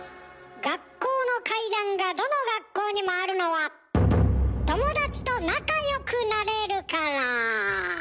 学校の怪談がどの学校にもあるのは友達と仲よくなれるから。